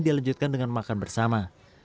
dilanjutkan dengan makan bersama